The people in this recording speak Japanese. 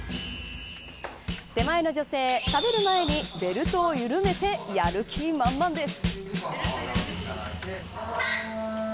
手前の女性、食べる前にベルトを緩めてやる気満々です。